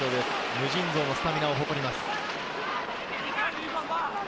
無尽蔵のスタミナを誇ります。